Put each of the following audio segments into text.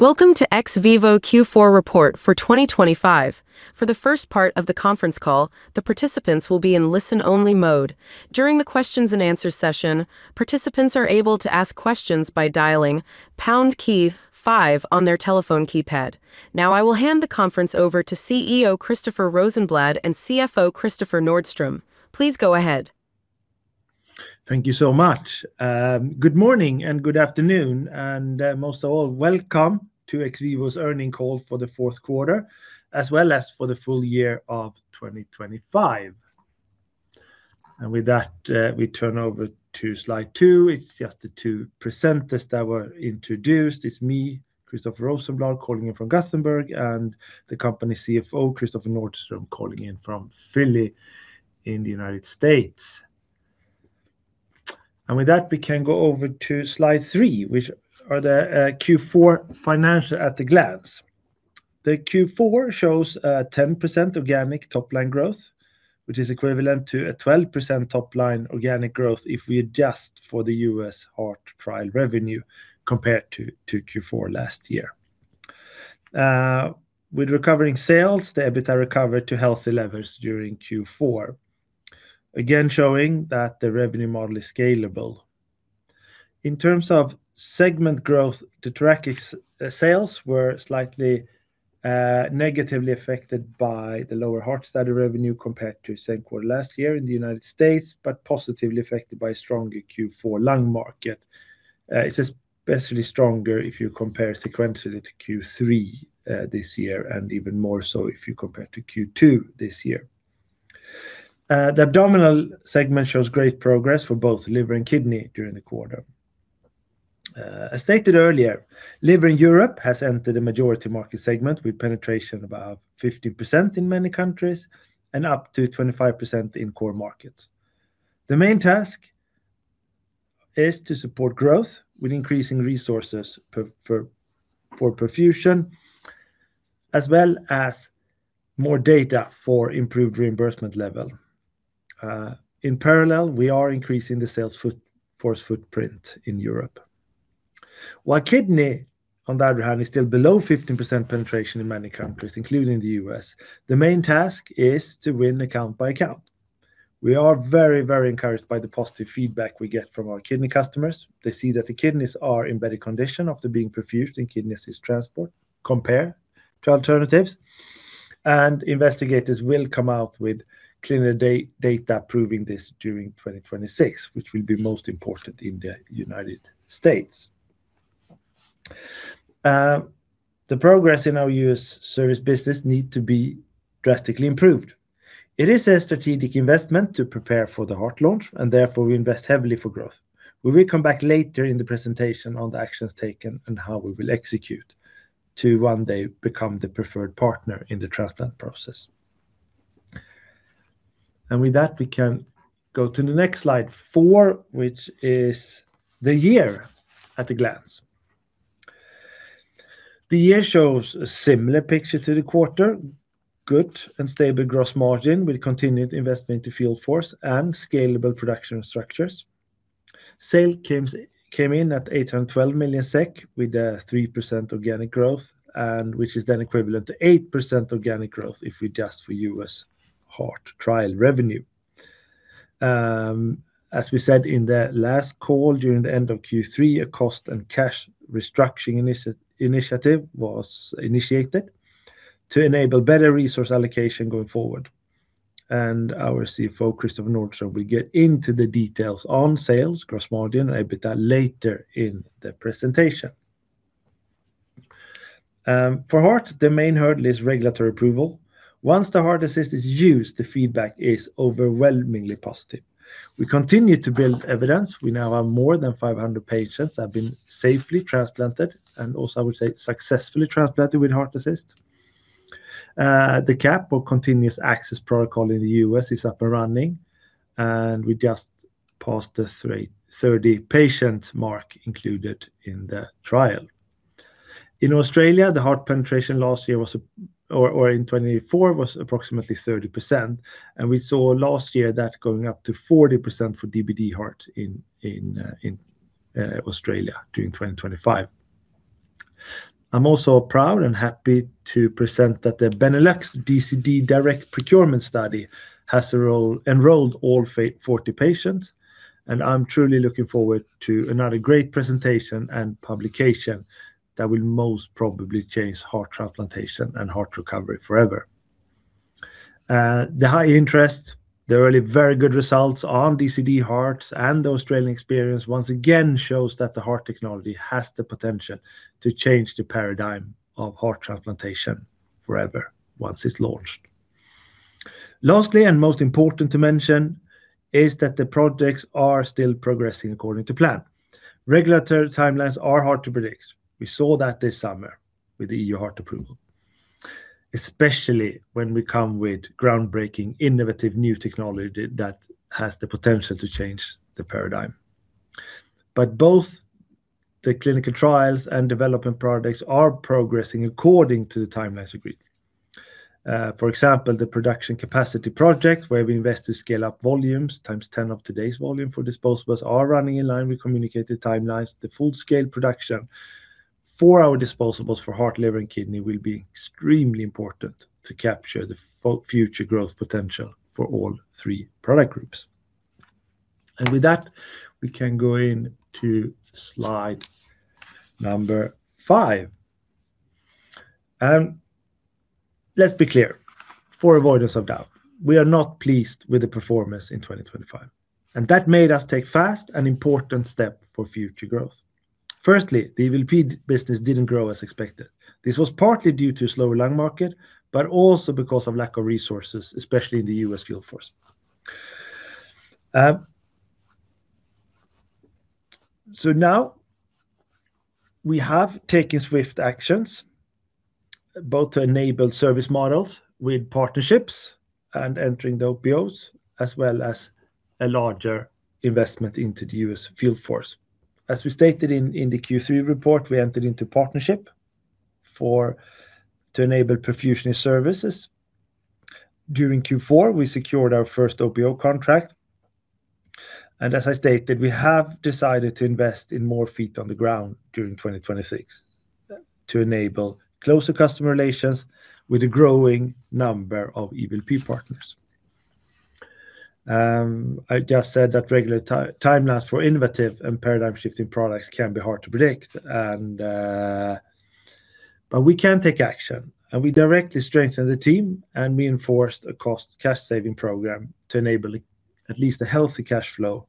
...Welcome to XVIVO Q4 report for 2025. For the first part of the conference call, the participants will be in listen-only mode. During the questions-and-answers session, participants are able to ask questions by dialing pound key five on their telephone keypad. Now, I will hand the conference over to CEO Christoffer Rosenblad and CFO Kristoffer Nordström. Please go ahead. Thank you so much. Good morning and good afternoon, and most of all, welcome to XVIVO's earnings call for the fourth quarter, as well as for the full year of 2025. With that, we turn over to slide two. It's just the two presenters that were introduced. It's me, Christoffer Rosenblad, calling in from Gothenburg, and the company CFO, Kristoffer Nordström, calling in from Philly in the United States. With that, we can go over to slide three, which are the Q4 financials at a glance. The Q4 shows a 10% organic top-line growth, which is equivalent to a 12% top-line organic growth if we adjust for the U.S. heart trial revenue compared to Q4 last year. With recovering sales, the EBITDA recovered to healthy levels during Q4, again, showing that the revenue model is scalable. In terms of segment growth, the thoracic sales were slightly negatively affected by the lower heart study revenue compared to the same quarter last year in the United States, but positively affected by stronger Q4 lung market. It's especially stronger if you compare sequentially to Q3 this year, and even more so if you compare to Q2 this year. The abdominal segment shows great progress for both liver and kidney during the quarter. As stated earlier, liver in Europe has entered a majority market segment, with penetration about 15% in many countries and up to 25% in core markets. The main task is to support growth with increasing resources for perfusion, as well as more data for improved reimbursement level. In parallel, we are increasing the sales force footprint in Europe. While kidney, on the other hand, is still below 15% penetration in many countries, including the U.S., the main task is to win account by account. We are very, very encouraged by the positive feedback we get from our kidney customers. They see that the kidneys are in better condition after being perfused in Kidney Assist Transport, compared to alternatives, and investigators will come out with cleaner data proving this during 2026, which will be most important in the United States. The progress in our U.S. service business needs to be drastically improved. It is a strategic investment to prepare for the heart launch, and therefore, we invest heavily for growth. We will come back later in the presentation on the actions taken and how we will execute to one day become the preferred partner in the transplant process. With that, we can go to the next slide, four, which is the year at a glance. The year shows a similar picture to the quarter. Good and stable gross margin, with continued investment to field force and scalable production structures. Sales came in at 812 million SEK, with a 3% organic growth, and which is then equivalent to 8% organic growth if we adjust for U.S. heart trial revenue. As we said in the last call during the end of Q3, a cost and cash restructuring initiative was initiated to enable better resource allocation going forward. Our CFO, Kristoffer Nordström, will get into the details on sales, gross margin, and EBITDA later in the presentation. For heart, the main hurdle is regulatory approval. Once the Heart Assist is used, the feedback is overwhelmingly positive. We continue to build evidence. We now have more than 500 patients that have been safely transplanted, and also, I would say, successfully transplanted with Heart Assist. The CAP, or Continuous Access Protocol in the U.S., is up and running, and we just passed the 30-patient mark included in the trial. In Australia, the heart penetration last year was, or in 2024, was approximately 30%, and we saw last year that going up to 40% for DBD heart in Australia during 2025. I'm also proud and happy to present that the Benelux DCD direct procurement study has enrolled all 40 patients, and I'm truly looking forward to another great presentation and publication that will most probably change heart transplantation and heart recovery forever. The high interest, the early, very good results on DCD hearts and the Australian experience once again shows that the heart technology has the potential to change the paradigm of heart transplantation forever, once it's launched. Lastly, and most important to mention, is that the projects are still progressing according to plan. Regulatory timelines are hard to predict. We saw that this summer with the EU heart approval, especially when we come with groundbreaking, innovative, new technology that has the potential to change the paradigm. But both the clinical trials and development projects are progressing according to the timelines agreed. For example, the production capacity project, where we invest to scale up volumes, 10x of today's volume for disposables, are running in line with communicated timelines. The full-scale production for our disposables for heart, liver, and kidney will be extremely important to capture the future growth potential for all three product groups. And with that, we can go into slide number five. Let's be clear, for avoidance of doubt, we are not pleased with the performance in 2025, and that made us take fast and important step for future growth. Firstly, the EVLP business didn't grow as expected. This was partly due to slower lung market, but also because of lack of resources, especially in the U.S. field force. So now we have taken swift actions, both to enable service models with partnerships and entering the OPOs, as well as a larger investment into the U.S. field force. As we stated in the Q3 report, we entered into partnership to enable perfusionist services. During Q4, we secured our first OPO contract, and as I stated, we have decided to invest in more feet on the ground during 2026, to enable closer customer relations with a growing number of EVLP partners. I just said that regular timelines for innovative and paradigm-shifting products can be hard to predict, and but we can take action, and we directly strengthened the team and reinforced a cash saving program to enable at least a healthy cash flow,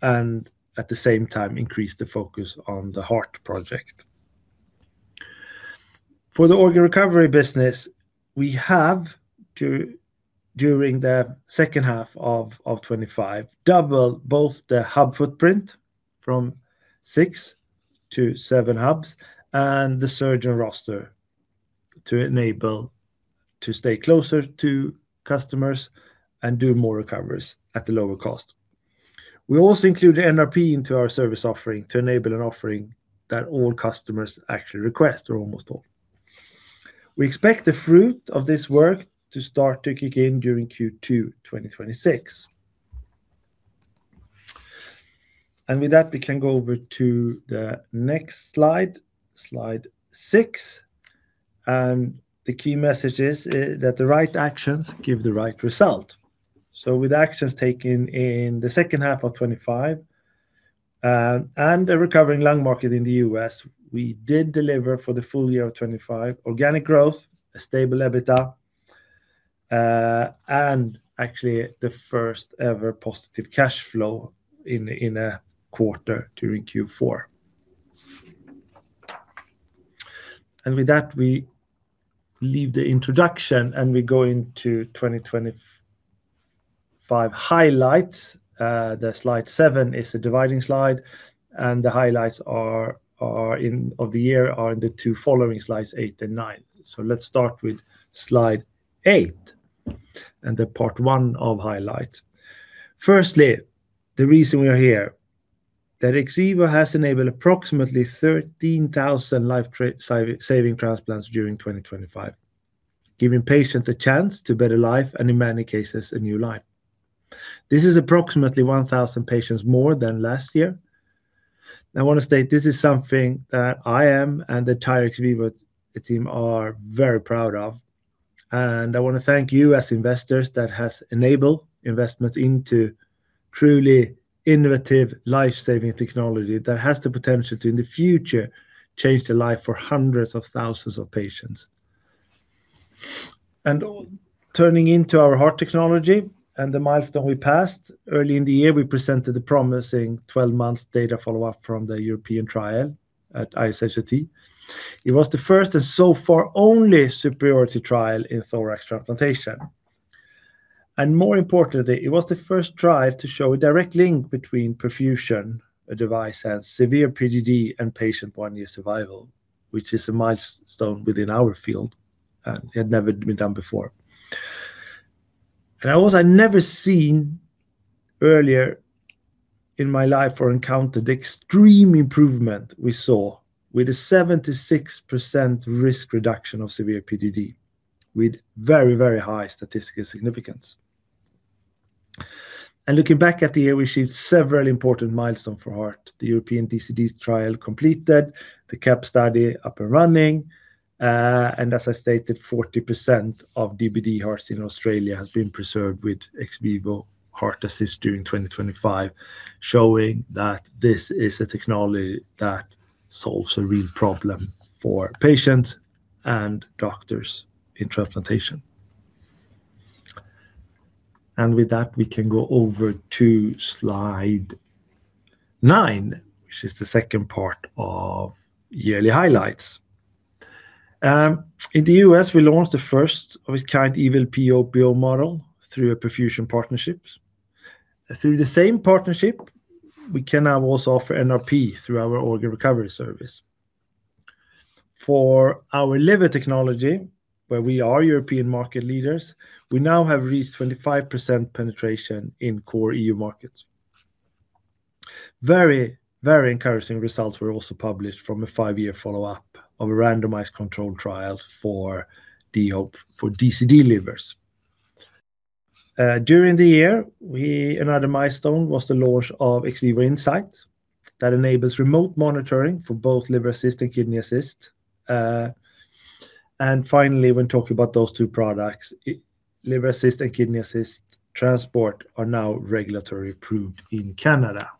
and at the same time, increase the focus on the heart project. For the organ recovery business, we have, during the second half of 2025, doubled both the hub footprint from six to seven hubs and the surgeon roster to enable to stay closer to customers and do more recoveries at a lower cost. We also included NRP into our service offering to enable an offering that all customers actually request, or almost all. We expect the fruit of this work to start to kick in during Q2 2026. With that, we can go over to the next slide, slide six. The key message is that the right actions give the right result. With actions taken in the second half of 2025, and a recovering lung market in the U.S., we did deliver for the full year of 2025, organic growth, a stable EBITDA, and actually, the first-ever positive cash flow in a quarter during Q4. With that, we leave the introduction, and we go into 2025 highlights. The slide seven is a dividing slide, and the highlights of the year are in the two following slides, eight and nine. So let's start with slide eight, and the part one of highlights. Firstly, the reason we are here, that XVIVO has enabled approximately 13,000 life-saving transplants during 2025, giving patients a chance to a better life, and in many cases, a new life. This is approximately 1,000 patients more than last year. I want to state this is something that I am, and the entire XVIVO team are very proud of. And I want to thank you as investors that has enabled investment into truly innovative, life-saving technology that has the potential to, in the future, change the life for hundreds of thousands of patients. And turning into our heart technology and the milestone we passed, early in the year, we presented the promising 12-month data follow-up from the European trial at ISHLT. It was the first and so far only superiority trial in thorax transplantation. And more importantly, it was the first trial to show a direct link between perfusion, a device, and severe PGD and patient one-year survival, which is a milestone within our field, and it had never been done before. And I also had never seen earlier in my life or encountered the extreme improvement we saw with a 76% risk reduction of severe PGD, with very, very high statistical significance. And looking back at the year, we achieved several important milestones for heart. The European DCD trial completed, the CAP study up and running, and as I stated, 40% of DBD hearts in Australia has been preserved with XVIVO Heart Assist during 2025, showing that this is a technology that solves a real problem for patients and doctors in transplantation. And with that, we can go over to slide nine, which is the second part of yearly highlights. In the U.S., we launched the first-of-its-kind EVLP OPO model through a perfusion partnership. Through the same partnership, we can now also offer NRP through our organ recovery service. For our liver technology, where we are European market leaders, we now have reached 25% penetration in core EU markets. Very, very encouraging results were also published from a five-year follow-up of a randomized controlled trial for the HOPE for DCD livers. During the year, we, another milestone was the launch of XVIVO Insights that enables remote monitoring for both Liver Assist and Kidney Assist. And finally, when talking about those two products, Liver Assist and Kidney Assist Transport are now regulatory approved in Canada.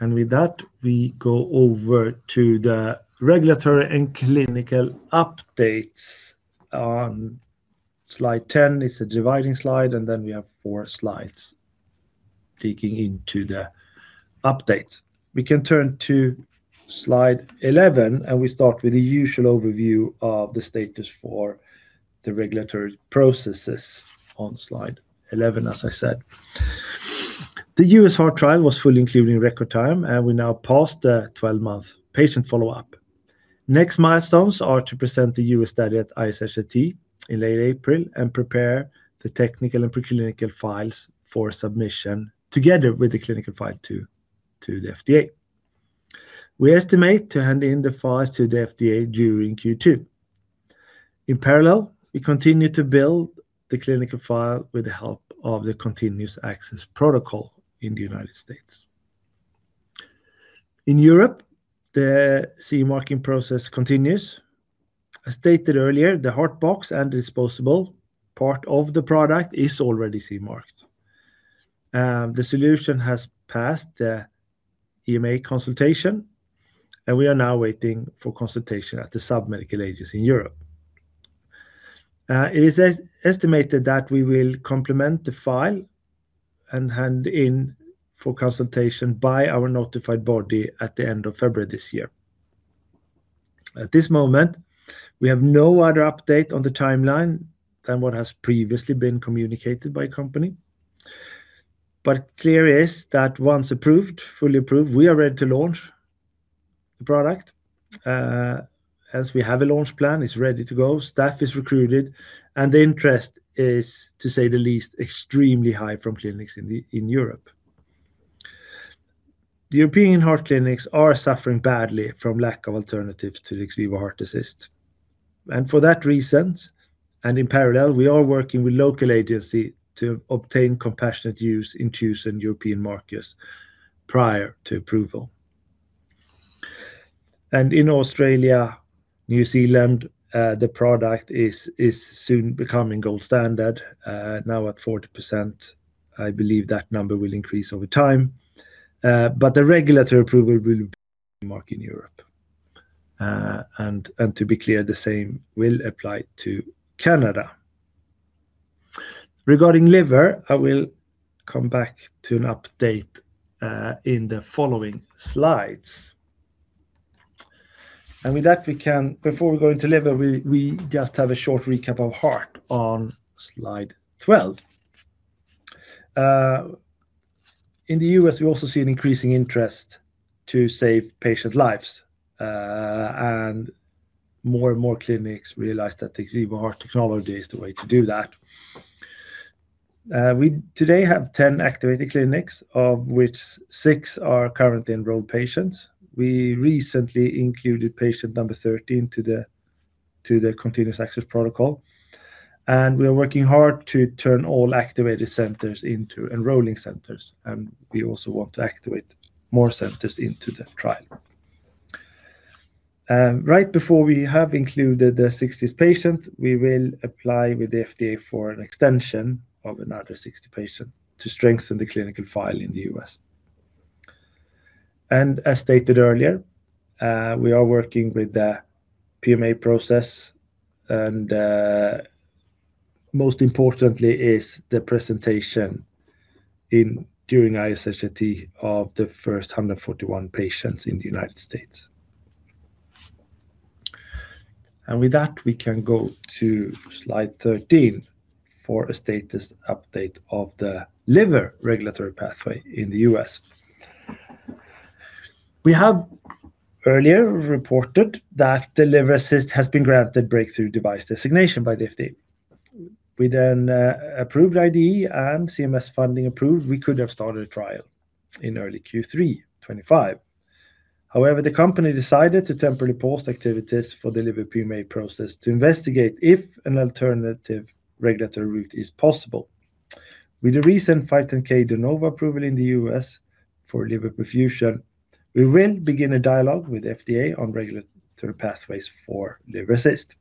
And with that, we go over to the regulatory and clinical updates. Slide 10 is a dividing slide, and then we have four slides digging into the updates. We can turn to slide 11, and we start with the usual overview of the status for the regulatory processes on slide 11, as I said. The U.S. heart trial was fully included in record time, and we now passed the 12-month patient follow-up. Next milestones are to present the U.S. study at ISHLT in late April and prepare the technical and preclinical files for submission, together with the clinical file to the FDA. We estimate to hand in the files to the FDA during Q2. In parallel, we continue to build the clinical file with the help of the Continuous Access Protocol in the United States. In Europe, the CE marking process continues. As stated earlier, the Heart Box and disposable part of the product is already CE marked. The solution has passed the EMA consultation, and we are now waiting for consultation at the sub-medical agency in Europe. It is estimated that we will complement the file and hand in for consultation by our notified body at the end of February this year. At this moment, we have no other update on the timeline than what has previously been communicated by company. But clear is that once approved, fully approved, we are ready to launch the product. As we have a launch plan, it's ready to go, staff is recruited, and the interest is, to say the least, extremely high from clinics in the, in Europe. The European heart clinics are suffering badly from lack of alternatives to the XVIVO Heart Assist. And for that reason, and in parallel, we are working with local agency to obtain compassionate use in chosen European markets prior to approval. And in Australia, New Zealand, the product is soon becoming gold standard, now at 40%. I believe that number will increase over time, but the regulatory approval will be mark in Europe. And to be clear, the same will apply to Canada. Regarding liver, I will come back to an update in the following slides. And with that, we can before we go into liver, we just have a short recap of heart on slide 12. In the U.S., we also see an increasing interest to save patient lives, and more and more clinics realize that the XVIVO technology is the way to do that. We today have 10 activated clinics, of which six are currently enrolled patients. We recently included patient number 13 to the Continuous Access Protocol, and we are working hard to turn all activated centers into enrolling centers, and we also want to activate more centers into the trial. Right before we have included the 60th patient, we will apply with the FDA for an extension of another 60 patients to strengthen the clinical file in the U.S. As stated earlier, we are working with the PMA process, and most importantly is the presentation during ISHLT of the first 141 patients in the United States. With that, we can go to slide 13 for a status update of the liver regulatory pathway in the U.S. We have earlier reported that the Liver Assist has been granted breakthrough device designation by the FDA. With an approved IDE and CMS funding approved, we could have started a trial in early Q3 2025. However, the company decided to temporarily pause activities for the liver PMA process to investigate if an alternative regulatory route is possible. With the recent 510(k) de novo approval in the U.S. for liver perfusion, we will begin a dialogue with FDA on regulatory pathways for Liver Assist.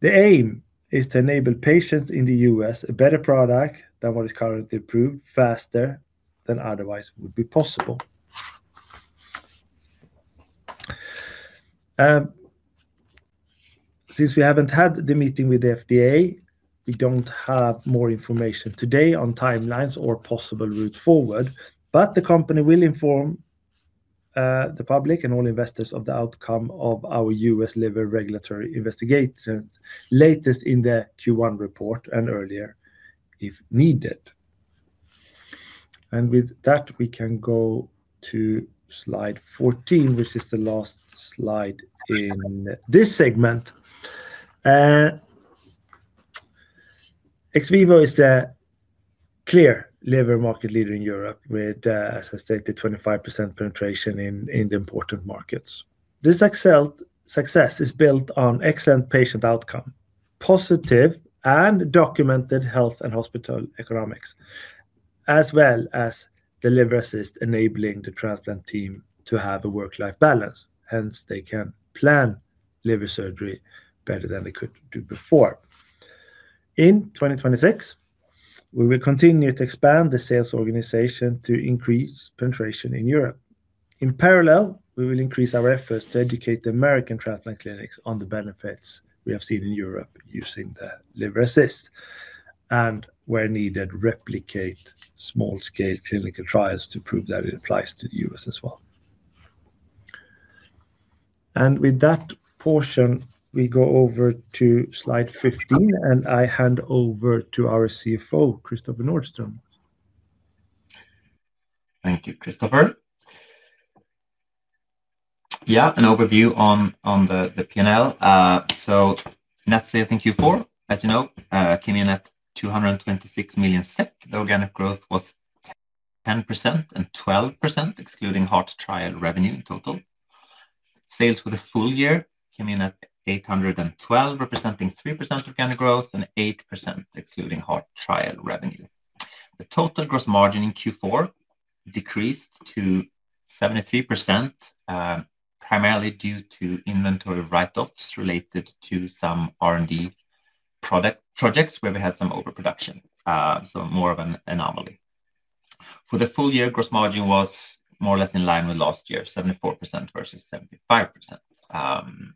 The aim is to enable patients in the U.S. a better product than what is currently approved, faster than otherwise would be possible. Since we haven't had the meeting with the FDA, we don't have more information today on timelines or possible route forward, but the company will inform the public and all investors of the outcome of our U.S. liver regulatory investigations, latest in the Q1 report and earlier, if needed. With that, we can go to slide 14, which is the last slide in this segment. XVIVO is the clear liver market leader in Europe with, as I stated, 25% penetration in the important markets. This success is built on excellent patient outcome, positive and documented health and hospital economics, as well as the Liver Assist enabling the transplant team to have a work-life balance, hence, they can plan liver surgery better than they could do before. In 2026, we will continue to expand the sales organization to increase penetration in Europe. In parallel, we will increase our efforts to educate the American transplant clinics on the benefits we have seen in Europe using the Liver Assist, and where needed, replicate small-scale clinical trials to prove that it applies to the U.S. as well. With that portion, we go over to slide 15, and I hand over to our CFO, Kristoffer Nordström. Thank you, Christoffer. Yeah, an overview on the P&L. So net sales in Q4, as you know, came in at 226 million SEK. The organic growth was 10% and 12%, excluding heart trial revenue in total. Sales for the full year came in at 812 million, representing 3% organic growth and 8% excluding heart trial revenue. The total gross margin in Q4 decreased to 73%, primarily due to inventory write-offs related to some R&D product projects, where we had some overproduction, so more of an anomaly. For the full year, gross margin was more or less in line with last year, 74% versus 75%.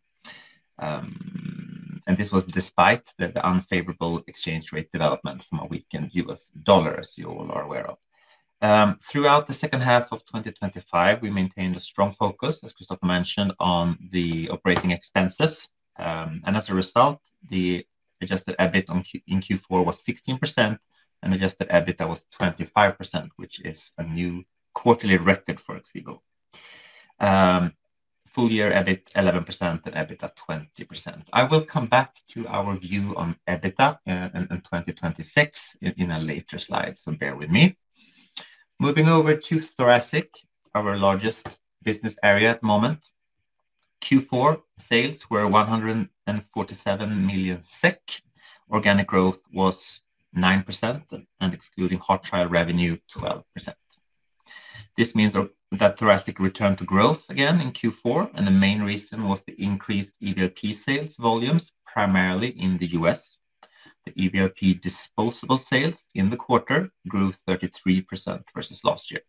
And this was despite the unfavorable exchange rate development from a weakened U.S. dollar, as you all are aware of. Throughout the second half of 2025, we maintained a strong focus, as Christoffer mentioned, on the operating expenses. And as a result, the adjusted EBIT in Q4 was 16%, and adjusted EBITDA was 25%, which is a new quarterly record for XVIVO. Full year, EBIT 11% and EBITDA 20%. I will come back to our view on EBITDA in 2026 in a later slide, so bear with me. Moving over to thoracic, our largest business area at the moment. Q4, sales were 147 million SEK. Organic growth was 9%, and excluding heart trial revenue, 12%. This means that thoracic returned to growth again in Q4, and the main reason was the increased EVLP sales volumes, primarily in the U.S. The EVLP disposable sales in the quarter grew 33% versus last year.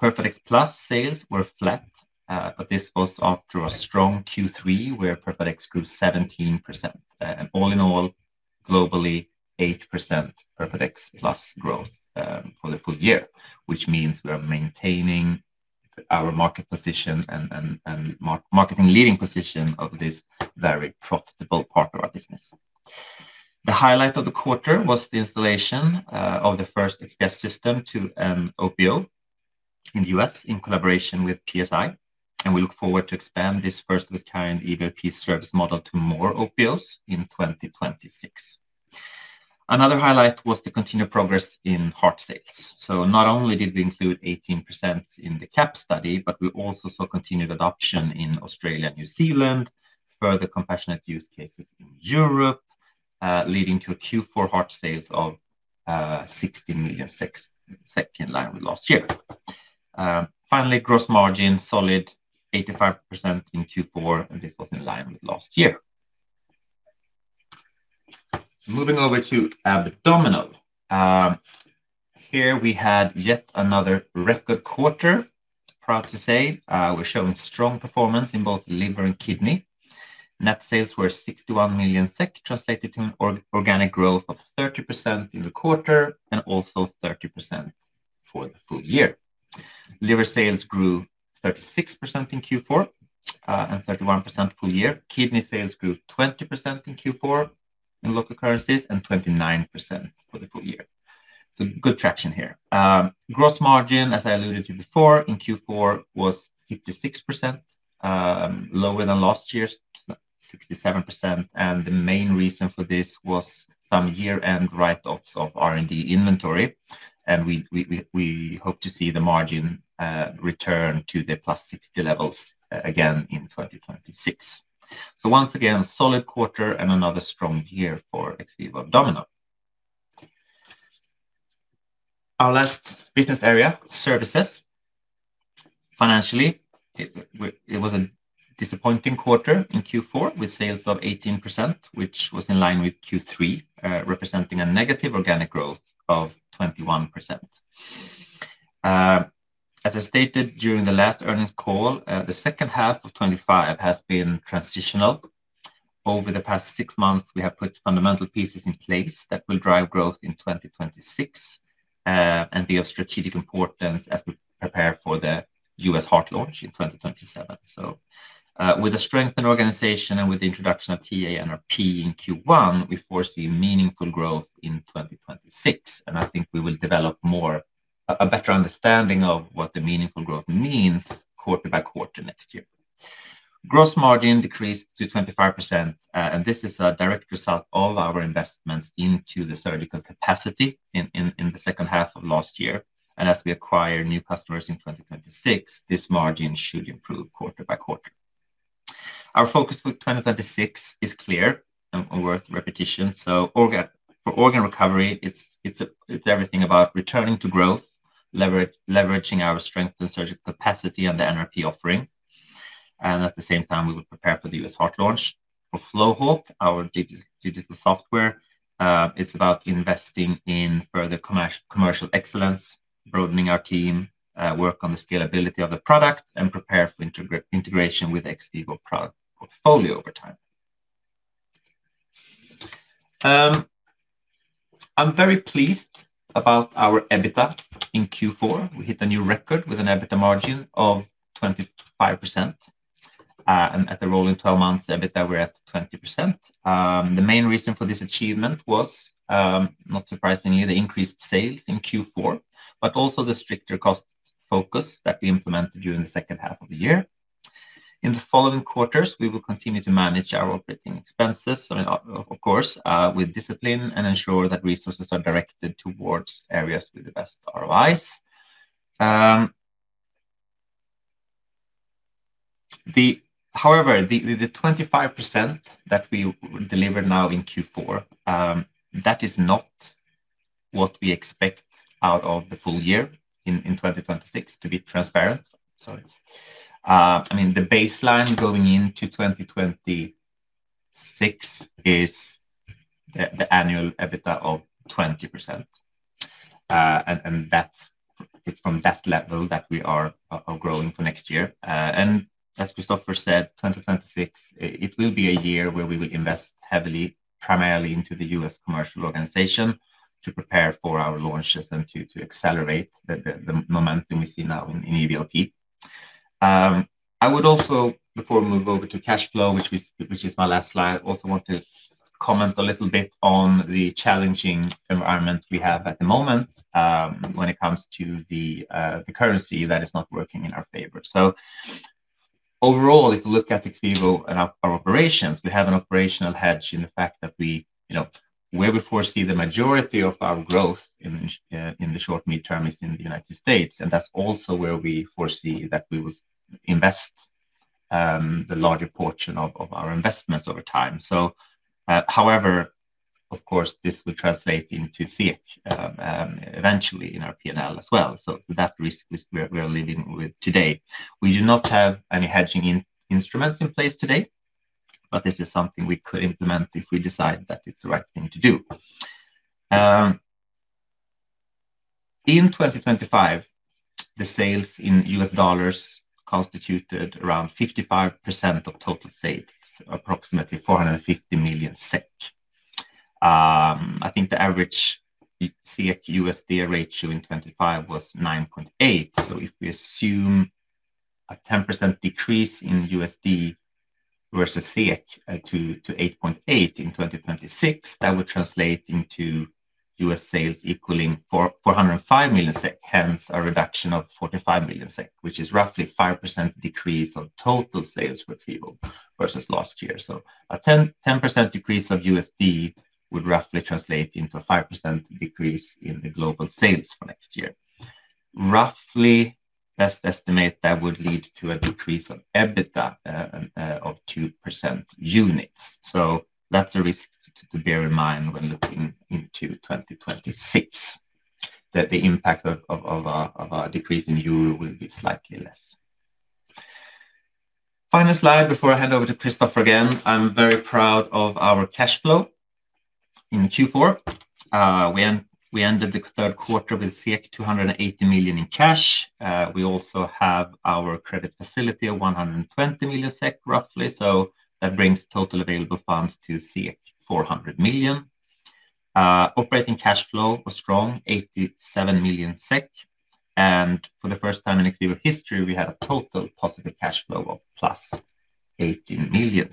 PERFADEX Plus sales were flat, but this was after a strong Q3, where PERFADEX Plus grew 17%. And all in all, globally, 8% PERFADEX Plus growth for the full year, which means we are maintaining our market position and market and leading position of this very profitable part of our business. The highlight of the quarter was the installation of the first XPS system to an OPO in the U.S. in collaboration with PSI, and we look forward to expand this first with current EVLP service model to more OPOs in 2026. Another highlight was the continued progress in heart sales. So not only did we include 18% in the CAP study, but we also saw continued adoption in Australia and New Zealand, further compassionate use cases in Europe, leading to Q4 heart sales of 60 million SEK, SEK in line with last year. Finally, gross margin, solid 85% in Q4, and this was in line with last year. Moving over to abdominal. Here we had yet another record quarter, proud to say. We're showing strong performance in both liver and kidney. Net sales were 61 million SEK, translated to an organic growth of 30% in the quarter, and also 30% for the full year. Liver sales grew 36% in Q4, and 31% full year. Kidney sales grew 20% in Q4 in local currencies and 29% for the full year. So good traction here. Gross margin, as I alluded to before, in Q4, was 56%, lower than last year's 67%, and the main reason for this was some year-end write-offs of R&D inventory, and we hope to see the margin return to the plus 60 levels again in 2026. So once again, solid quarter and another strong year for XVIVO Abdominal. Our last business area, services. Financially, it was a disappointing quarter in Q4, with sales of 18%, which was in line with Q3, representing a negative organic growth of 21%. As I stated during the last earnings call, the second half of 2025 has been transitional. Over the past six months, we have put fundamental pieces in place that will drive growth in 2026, and be of strategic importance as we prepare for the U.S. heart launch in 2027. So, with a strengthened organization and with the introduction of TA-NRP in Q1, we foresee meaningful growth in 2026, and I think we will develop a better understanding of what the meaningful growth means quarter by quarter next year. Gross margin decreased to 25%, and this is a direct result of our investments into the surgical capacity in the second half of last year. As we acquire new customers in 2026, this margin should improve quarter by quarter. Our focus for 2026 is clear and worth repetition. Organ recovery, it's everything about returning to growth, leveraging our strength and surgical capacity and the NRP offering. At the same time, we will prepare for the U.S. heart launch. For FlowHawk, our digital software, it's about investing in further commercial excellence, broadening our team, work on the scalability of the product, and prepare for integration with XVIVO product portfolio over time. I'm very pleased about our EBITDA in Q4. We hit a new record with an EBITDA margin of 25%. And at the rolling twelve months EBITDA, we're at 20%. The main reason for this achievement was, not surprisingly, the increased sales in Q4, but also the stricter cost focus that we implemented during the second half of the year. In the following quarters, we will continue to manage our operating expenses, I mean, of course, with discipline, and ensure that resources are directed towards areas with the best ROIs. However, the 25% that we delivered now in Q4, that is not what we expect out of the full year in 2026, to be transparent. I mean, the baseline going into 2026 is the annual EBITDA of 20%. And that's--it's from that level that we are growing for next year. And as Christoffer said, 2026, it will be a year where we will invest heavily, primarily into the U.S. commercial organization, to prepare for our launches and to accelerate the momentum we see now in EVLP. I would also, before we move over to cash flow, which is my last slide, I also want to comment a little bit on the challenging environment we have at the moment, when it comes to the currency that is not working in our favor. So overall, if you look at XVIVO and our operations, we have an operational hedge in the fact that we, you know, where we foresee the majority of our growth in the short, mid-term is in the United States, and that's also where we foresee that we will invest the larger portion of our investments over time. So, however, of course, this will translate into SEK eventually in our P&L as well. So that risk is we are living with today. We do not have any hedging instruments in place today, but this is something we could implement if we decide that it's the right thing to do. In 2025, the sales in U.S. dollars constituted around 55% of total sales, approximately 450 million SEK. I think the average SEK-USD ratio in 2025 was 9.8. So if we assume a 10% decrease in USD versus SEK to 8.8 in 2026, that would translate into U.S. sales equaling 405 million SEK, hence a reduction of 45 million SEK, which is roughly 5% decrease on total sales for XVIVO versus last year. So a 10% decrease of USD would roughly translate into a 5% decrease in the global sales for next year. Roughly, best estimate, that would lead to a decrease of EBITDA of 2% units. So that's a risk to bear in mind when looking into 2026, that the impact of our decrease in euro will be slightly less. Final slide before I hand over to Christoffer again. I'm very proud of our cash flow. In Q4, we ended the third quarter with 280 million in cash. We also have our credit facility of 120 million SEK, roughly. So that brings total available funds to 400 million. Operating cash flow was strong, 87 million SEK, and for the first time in XVIVO history, we had a total positive cash flow of +80 million.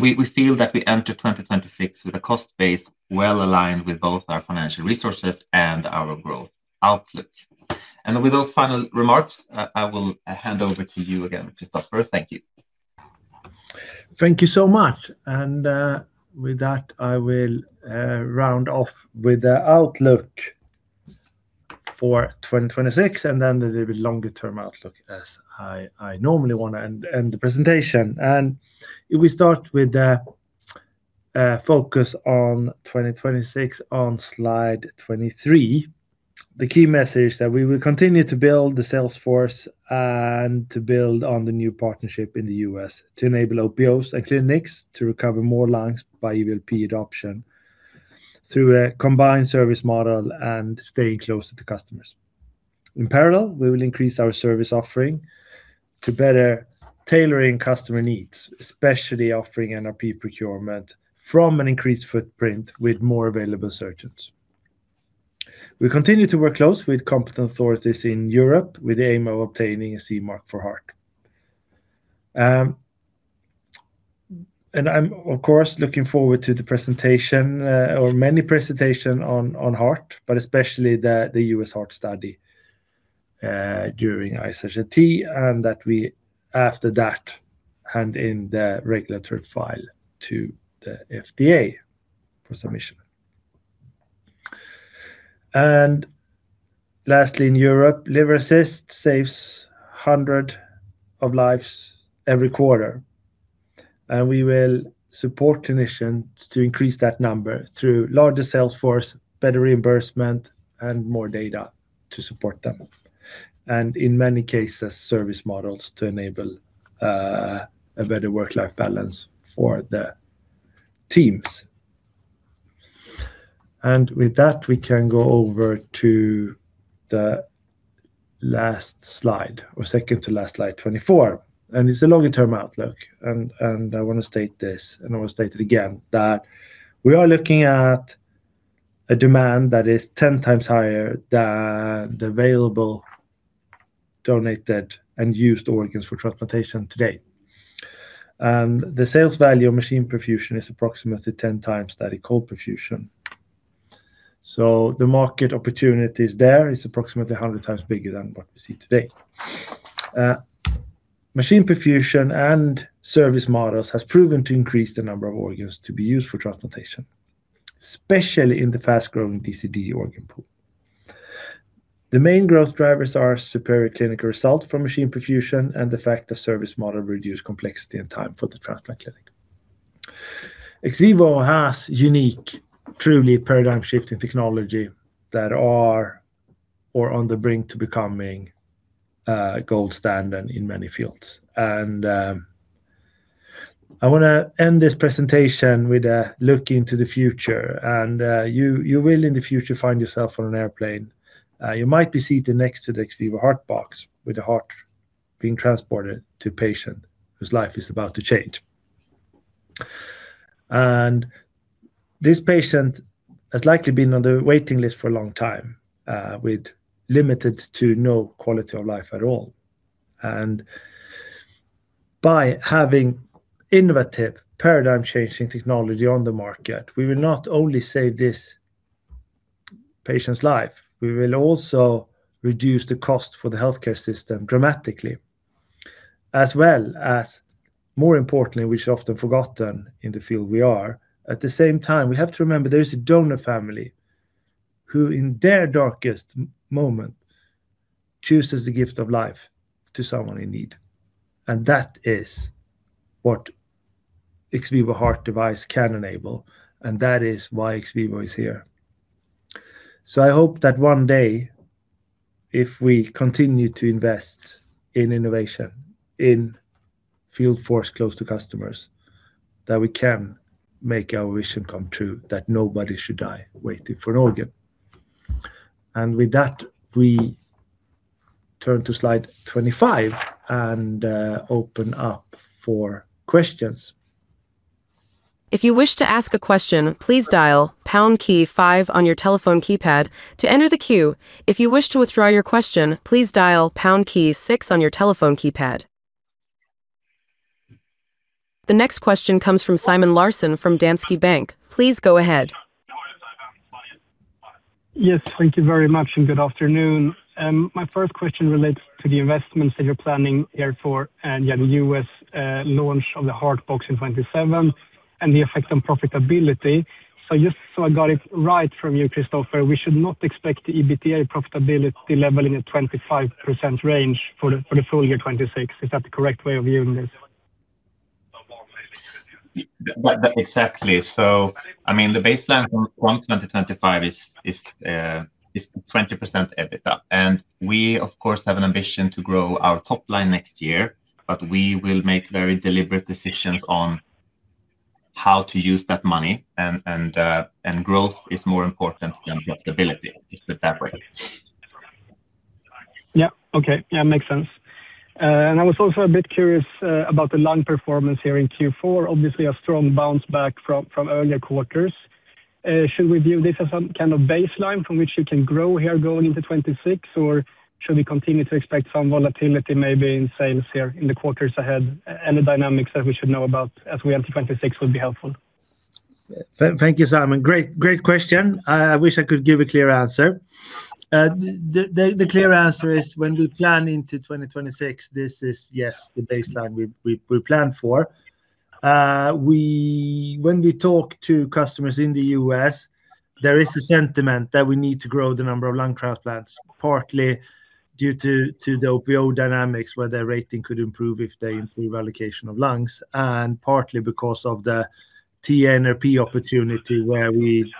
We feel that we enter 2026 with a cost base well-aligned with both our financial resources and our growth outlook. With those final remarks, I will hand over to you again, Christoffer. Thank you. Thank you so much. With that, I will round off with the outlook for 2026, and then the little bit longer-term outlook as I normally want to end the presentation. If we start with the focus on 2026 on slide 23, the key message that we will continue to build the sales force and to build on the new partnership in the U.S. to enable OPOs and clinics to recover more lungs by EVLP adoption through a combined service model and staying closer to customers. In parallel, we will increase our service offering to better tailoring customer needs, especially offering NRP procurement from an increased footprint with more available surgeons. We continue to work close with competent authorities in Europe with the aim of obtaining a CE mark for heart. and I'm, of course, looking forward to the presentation, or many presentation on, on heart, but especially the, the U.S. heart study, during ISHLT, and that we, after that, hand in the regulatory file to the FDA for submission. And lastly, in Europe, Liver Assist saves hundred of lives every quarter, and we will support clinicians to increase that number through larger sales force, better reimbursement, and more data to support them. And in many cases, service models to enable, a better work-life balance for the teams. And with that, we can go over to the last slide, or second to last slide, 24, and it's a longer-term outlook. And, and I want to state this, and I will state it again, that we are looking at a demand that is 10x higher than the available donated and used organs for transplantation today. And the sales value of machine perfusion is approximately 10x that of cold perfusion. So the market opportunity is there, it's approximately 100x bigger than what we see today. Machine perfusion and service models has proven to increase the number of organs to be used for transplantation, especially in the fast-growing DCD organ pool. The main growth drivers are superior clinical results from machine perfusion and the fact the service model reduce complexity and time for the transplant clinic. XVIVO has unique, truly paradigm-shifting technology that are or on the brink to becoming gold standard in many fields. And, I want to end this presentation with a look into the future, and, you, you will, in the future, find yourself on an airplane. You might be seated next to the XVIVO Heart Box with a heart being transported to a patient whose life is about to change. And this patient has likely been on the waiting list for a long time, with limited to no quality of life at all. And by having innovative, paradigm-changing technology on the market, we will not only save this patient's life, we will also reduce the cost for the healthcare system dramatically, as well as, more importantly, which is often forgotten in the field we are, at the same time, we have to remember there is a donor family who, in their darkest moment, chooses the gift of life to someone in need. And that is what XVIVO heart device can enable, and that is why XVIVO is here. I hope that one day, if we continue to invest in innovation, in field force close to customers, that we can make our vision come true, that nobody should die waiting for an organ. With that, we turn to slide 25 and open up for questions. If you wish to ask a question, please dial pound key five on your telephone keypad to enter the queue. If you wish to withdraw your question, please dial pound key six on your telephone keypad. The next question comes from Simon Larsson from Danske Bank. Please go ahead. Yes, thank you very much, and good afternoon. My first question relates to the investments that you're planning here for, and yeah, the U.S. launch of the Heart Box in 2027 and the effect on profitability. So just so I got it right from you, Kristoffer, we should not expect the EBITDA profitability level in a 25% range for the full year 2026. Is that the correct way of viewing this? Exactly. So, I mean, the baseline from 2025 is 20% EBITDA. And we, of course, have an ambition to grow our top line next year, but we will make very deliberate decisions on how to use that money, and growth is more important than profitability, put that way. Yeah. Okay. Yeah, makes sense. And I was also a bit curious about the lung performance here in Q4. Obviously, a strong bounce back from earlier quarters. Should we view this as some kind of baseline from which you can grow here going into 2026, or should we continue to expect some volatility maybe in sales here in the quarters ahead, and the dynamics that we should know about as we enter 2026 would be helpful. Thank you, Simon. Great, great question. I wish I could give a clear answer. The clear answer is when we plan into 2026, this is, yes, the baseline we plan for. When we talk to customers in the U.S., there is a sentiment that we need to grow the number of lung transplants, partly due to the OPO dynamics, where their rating could improve if they improve allocation of lungs, and partly because of the TA-NRP opportunity, where we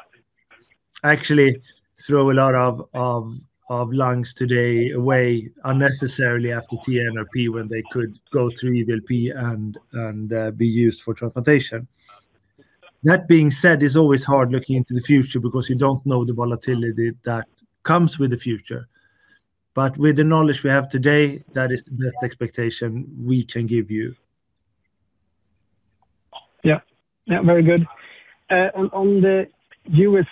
actually throw a lot of lungs today away unnecessarily after TA-NRP, when they could go through EVLP and be used for transplantation. That being said, it's always hard looking into the future because you don't know the volatility that comes with the future. But with the knowledge we have today, that is the best expectation we can give you. Yeah.... Yeah, very good. On the U.S.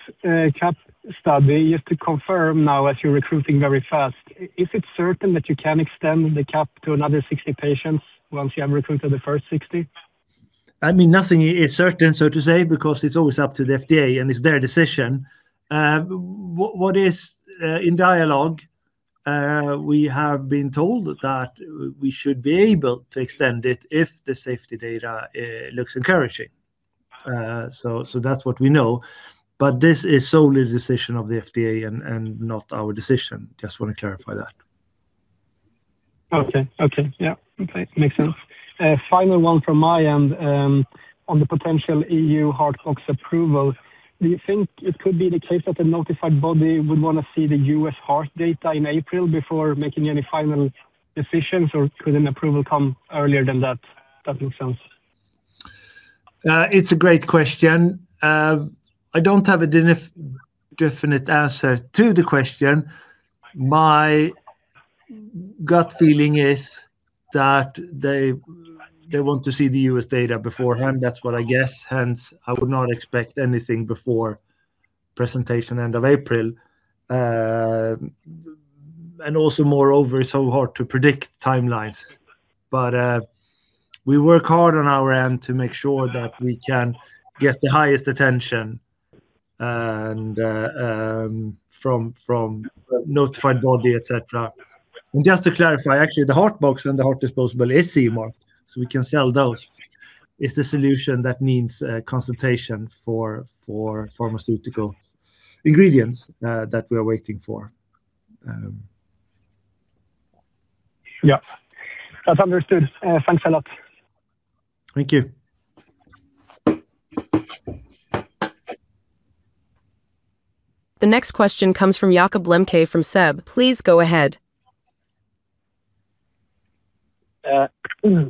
CAP study, just to confirm now as you're recruiting very fast, is it certain that you can extend the CAP to another 60 patients once you have recruited the first 60? I mean, nothing is certain, so to say, because it's always up to the FDA, and it's their decision. In dialogue, we have been told that we should be able to extend it if the safety data looks encouraging. So that's what we know, but this is solely the decision of the FDA and not our decision. Just want to clarify that. Okay. Okay. Yeah, okay. Makes sense. Final one from my end, on the potential EU Heart Box approval, do you think it could be the case that the notified body would want to see the U.S. heart data in April before making any final decisions, or could an approval come earlier than that? If that makes sense. It's a great question. I don't have a definite answer to the question. My gut feeling is that they want to see the U.S. data beforehand. That's what I guess, hence, I would not expect anything before presentation end of April. And also, moreover, it's so hard to predict timelines. But we work hard on our end to make sure that we can get the highest attention and from notified body, et cetera. And just to clarify, actually, the Heart Box and the heart disposable is CE marked, so we can sell those. It's the solution that needs consultation for pharmaceutical ingredients that we are waiting for. Yeah. That's understood. Thanks a lot. Thank you. The next question comes from Jakob Lembke from SEB. Please go ahead.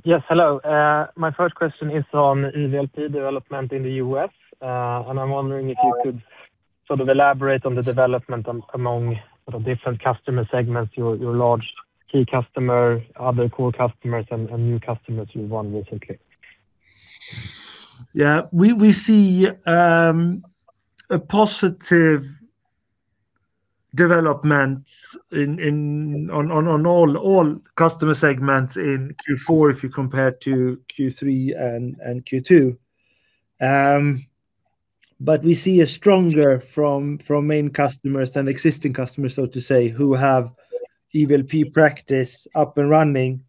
Yes, hello. My first question is on EVLP development in the U.S. I'm wondering if you could sort of elaborate on the development on among the different customer segments, your, your large key customer, other core customers, and, and new customers you've won recently. Yeah. We see a positive developments in all customer segments in Q4, if you compare to Q3 and Q2. But we see a stronger from main customers than existing customers, so to say, who have EVLP practice up and running.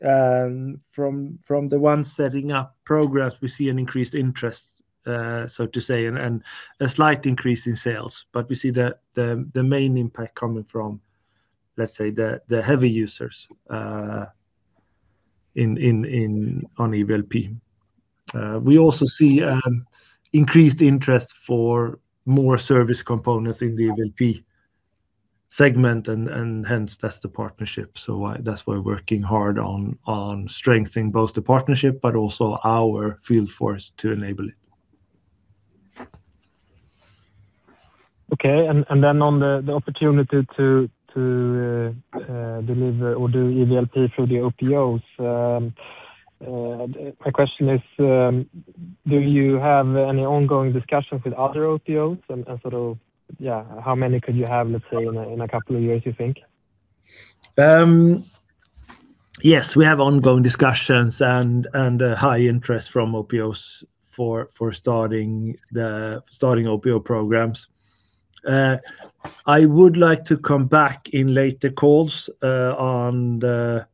From the ones setting up programs, we see an increased interest, so to say, and a slight increase in sales. But we see the main impact coming from, let's say, the heavy users in on EVLP. We also see increased interest for more service components in the EVLP segment, and hence, that's the partnership. So why-- that's why we're working hard on strengthening both the partnership, but also our field force to enable it. Okay. And then on the opportunity to deliver or do EVLP through the OPOs, my question is, do you have any ongoing discussions with other OPOs? And sort of, yeah, how many could you have, let's say, in a couple of years, you think? Yes, we have ongoing discussions and high interest from OPOs for starting OPO programs. I would like to come back in later calls on the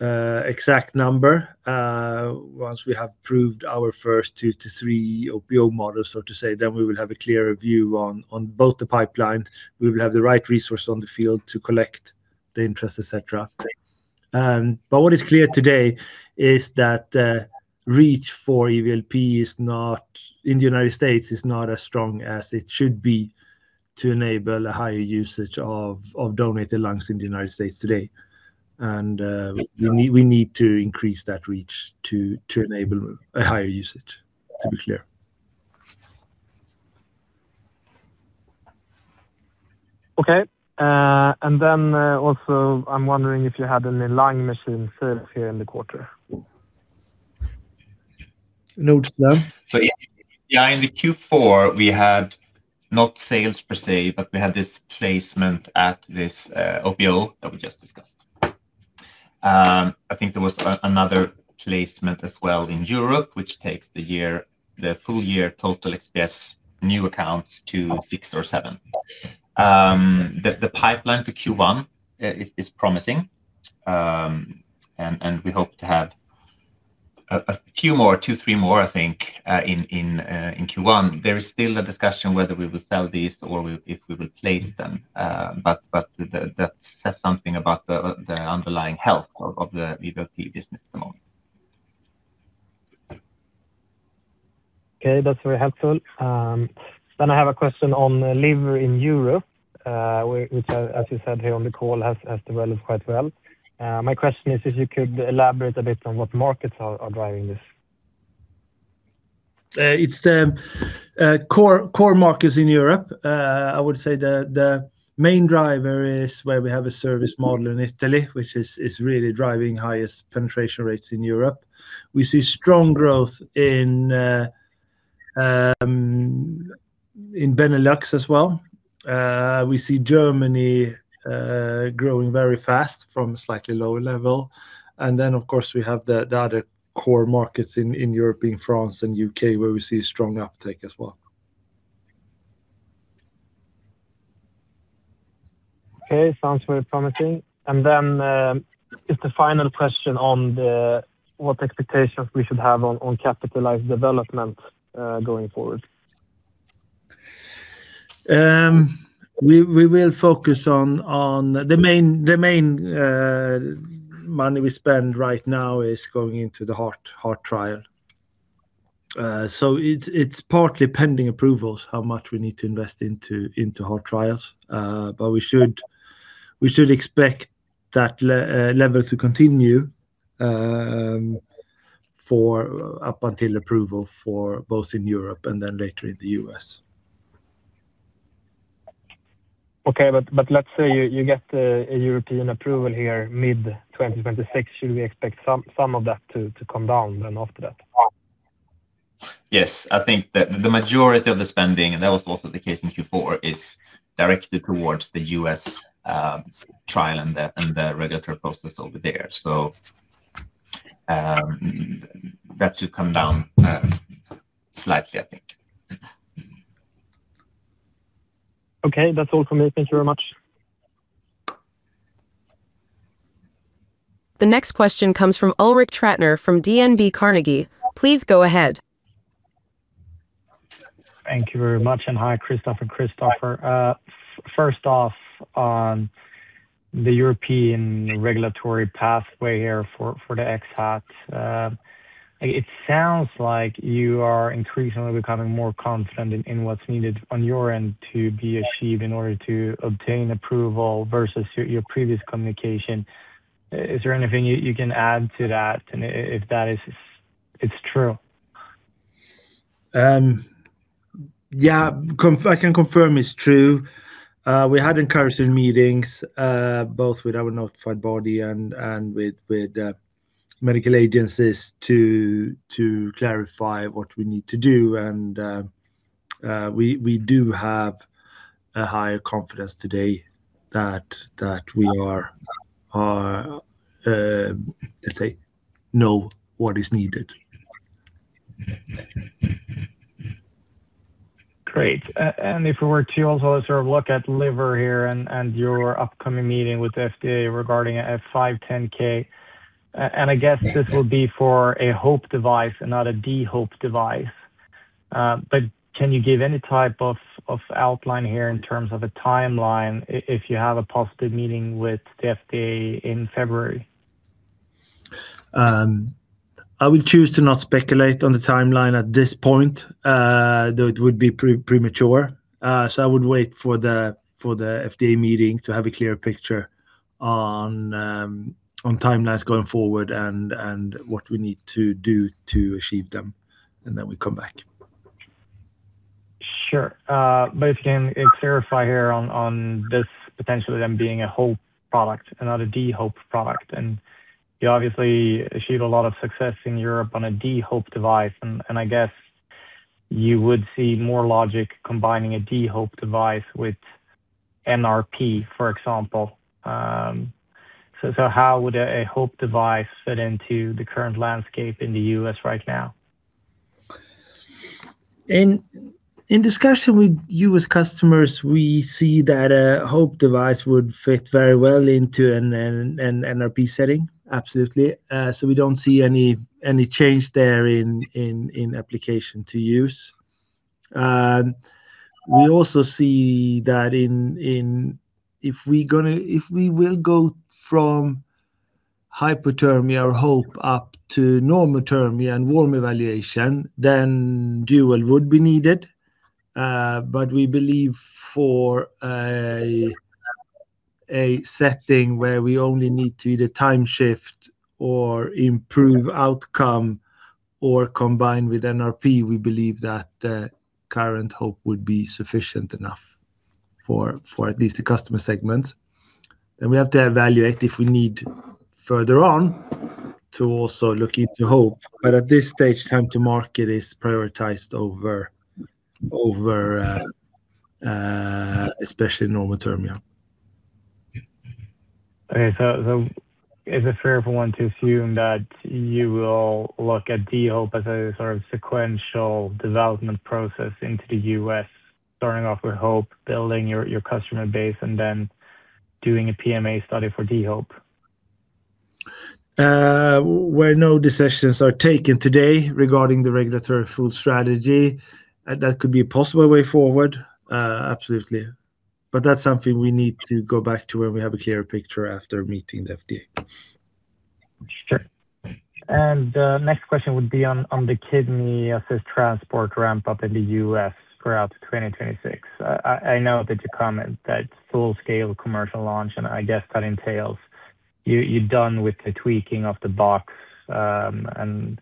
exact number once we have proved our first two-three OPO models, so to say, then we will have a clearer view on both the pipeline. We will have the right resource on the field to collect the interest, et cetera. But what is clear today is that reach for EVLP is not in the United States as strong as it should be to enable a higher usage of donated lungs in the United States today. We need to increase that reach to enable a higher usage, to be clear. Okay. And then, also, I'm wondering if you had any lung machine sales here in the quarter? Norse, then. Yeah, in the Q4, we had no sales per se, but we had this placement at this OPO that we just discussed. I think there was another placement as well in Europe, which takes the full year total XPS new accounts to six or seven. The pipeline for Q1 is promising. And we hope to have a few more, two, three more, I think, in Q1. There is still a discussion whether we will sell these or if we will place them, but that says something about the underlying health of the EVLP business at the moment. Okay, that's very helpful. Then I have a question on liver in Europe, which, as you said here on the call, has developed quite well. My question is, if you could elaborate a bit on what markets are driving this? It's the core markets in Europe. I would say the main driver is where we have a service model in Italy, which is really driving highest penetration rates in Europe. We see strong growth in Benelux as well. We see Germany growing very fast from a slightly lower level. And then, of course, we have the other core markets in Europe, in France and U.K., where we see strong uptake as well. Okay, sounds very promising. And then, is the final question on what expectations we should have on capitalized development going forward? We will focus on the main money we spend right now is going into the heart trial. So it's partly pending approvals, how much we need to invest into heart trials. But we should expect that level to continue for up until approval for both in Europe and then later in the U.S. Okay, but let's say you get a European approval here mid-2026, should we expect some of that to come down then after that? Yes. I think the majority of the spending, and that was also the case in Q4, is directed towards the U.S. trial and the regulatory process over there. So, that should come down slightly, I think. Okay. That's all for me. Thank you very much. The next question comes from Ulrik Trattner, from DNB Carnegie. Please go ahead. Thank you very much, and hi, Christoffer and Kristoffer. First off, on the European regulatory pathway here for the heart, it sounds like you are increasingly becoming more confident in what's needed on your end to be achieved in order to obtain approval versus your previous communication. Is there anything you can add to that, and if that is, it's true? Yeah, I can confirm it's true. We had encouraging meetings, both with our notified body and with medical agencies to clarify what we need to do. We do have a higher confidence today that we are, let's say, know what is needed. Great. And if we were to also sort of look at liver here and your upcoming meeting with the FDA regarding a 510(k), and I guess this will be for a HOPE device and not a DHOPE device. But can you give any type of outline here in terms of a timeline if you have a positive meeting with the FDA in February? I would choose to not speculate on the timeline at this point, though it would be premature. So I would wait for the FDA meeting to have a clear picture on timelines going forward and what we need to do to achieve them, and then we come back. Sure. But if you can clarify here on, on this potentially then being a HOPE product, another DHOPE product, and you obviously achieved a lot of success in Europe on a DHOPE device, and, and I guess you would see more logic combining a DHOPE device with NRP, for example. So, so how would a, a HOPE device fit into the current landscape in the U.S. right now? In discussion with U.S. customers, we see that a HOPE device would fit very well into an NRP setting. Absolutely. So we don't see any change there in application to use. And we also see that in... if we will go from hypothermia or HOPE up to normothermia and warm evaluation, then dual would be needed. But we believe for a setting where we only need to either time shift or improve outcome or combine with NRP, we believe that current HOPE would be sufficient enough for at least the customer segment. Then we have to evaluate if we need further on to also look into HOPE. But at this stage, time to market is prioritized over, especially normothermia. Okay. So, is it fair for one to assume that you will look at DHOPE as a sort of sequential development process into the U.S., starting off with HOPE, building your customer base, and then doing a PMA study for DHOPE? Well, no decisions are taken today regarding the regulatory full strategy. That could be a possible way forward, absolutely, but that's something we need to go back to when we have a clearer picture after meeting the FDA. Sure. Next question would be on the Kidney Assist Transport ramp up in the U.S. throughout 2026. I know that you comment that full-scale commercial launch, and I guess that entails you're done with the tweaking of the box, and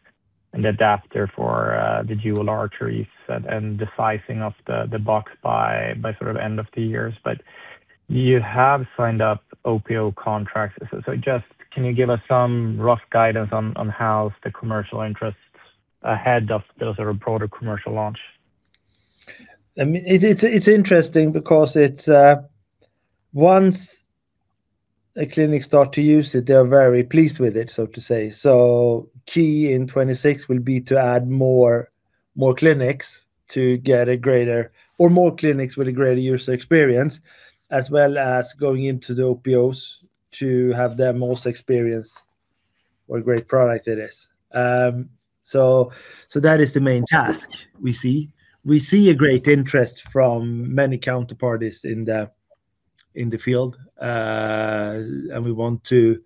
adapter for the dual arteries and the sizing of the box by sort of end of the years. But you have signed up OPO contracts. So just can you give us some rough guidance on how the commercial interests ahead of those are a broader commercial launch? I mean, it's interesting because it's once a clinic start to use it, they are very pleased with it, so to say. So key in 2026 will be to add more clinics to get a greater or more clinics with a greater user experience, as well as going into the OPOs to have them also experience what a great product it is. So that is the main task we see. We see a great interest from many counterparties in the field. And we want to